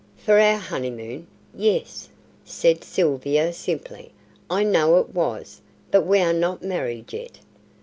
"For our honeymoon? Yes," said Sylvia, simply. "I know it was. But we are not married yet."